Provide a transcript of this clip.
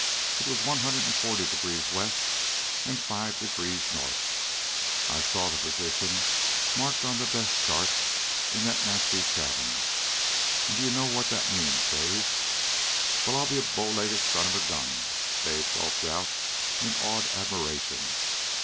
It was One Hundred and Forty degrees West, and Five degrees North. I saw the position marked on the desk chart in that Nazi's cabin. And do you know what that means, Dave?" "Well, I'll be a bowlegged son of a gun!" Dawson gulped out in awed admiration.